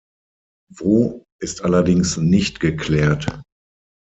Wo, ist allerdings nicht geklärt.